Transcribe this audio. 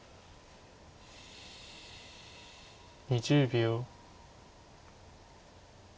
２０秒。